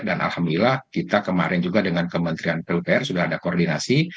dan alhamdulillah kita kemarin juga dengan kementerian pupr sudah ada koordinasi